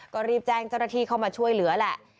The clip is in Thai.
ก็รีบแจ้งเจ้าหน้าที่เข้ามาช่วยเหลือแหละ